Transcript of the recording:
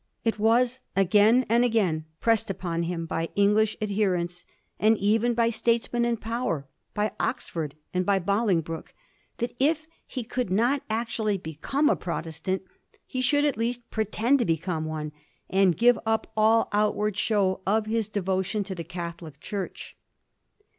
It was again and again pressed upon him by English adherents, and even by statesmen in power, by Oxford and by Bolingbroke, that if he could not actually become a Protestant he should at least pretend to become one, and give up all outward show of his devotion to the Catholic Church.